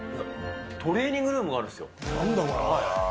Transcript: トレーニングルームがあるんですなんだこりゃ。